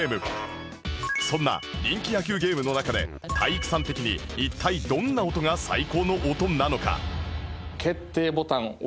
そんな人気野球ゲームの中で体育さん的に一体どんな音が最高の音なのか？